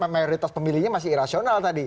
mayoritas pemilihnya masih irasional tadi